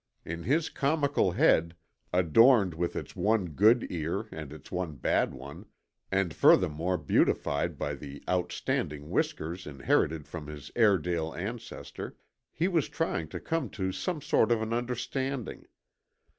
In his comical head adorned with its one good ear and its one bad one, and furthermore beautified by the outstanding whiskers inherited from his Airedale ancestor he was trying to come to some sort of an understanding.